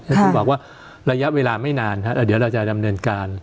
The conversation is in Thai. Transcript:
ก็คือบอกว่าระยะเวลาไม่นานแล้วเดี๋ยวเราจะดำเนินการ